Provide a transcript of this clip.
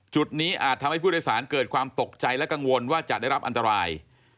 จุดนี้อาจทำให้ผู้โดยสารเกิดความตกใจและกังวลว่าจะได้รับอันตราย